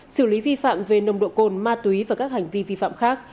xử lý vi phạm về nồng độ cồn ma túy và các hành vi vi phạm khác